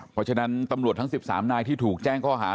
เพราะฉะนั้นตำรวจทั้ง๑๓นายที่ถูกแจ้งข้อหา